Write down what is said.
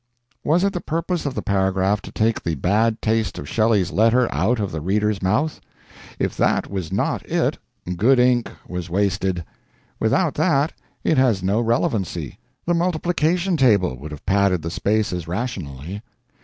Was it the purpose of the paragraph to take the bad taste of Shelley's letter out of the reader's mouth? If that was not it, good ink was wasted; without that, it has no relevancy the multiplication table would have padded the space as rationally.